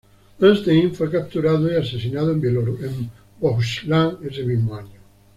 Øystein fue capturado y asesinado en Bohuslän ese mismo año.